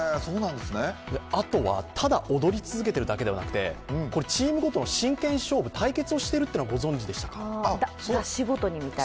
あとは、ただ踊り続けているだけではなくて、チームごとの真剣勝負、対決をしているのはご存じでしたか。